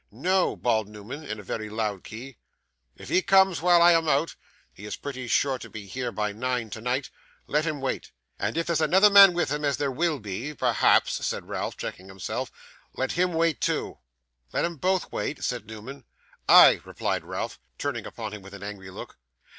'No,' bawled Newman, in a very loud key. 'If he comes while I am out he is pretty sure to be here by nine tonight let him wait. And if there's another man with him, as there will be perhaps,' said Ralph, checking himself, 'let him wait too.' 'Let 'em both wait?' said Newman. 'Ay,' replied Ralph, turning upon him with an angry look.